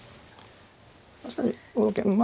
確かに５六桂馬まあ